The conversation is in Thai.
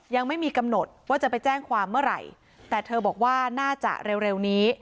ยังไม่มีกำหนดว่าจะไปแจ้งความเมื่อไหร่แต่เธอบอกว่าน่าจะเร็วเร็วนี้